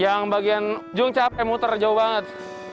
yang bagian jauh capek muter jauh banget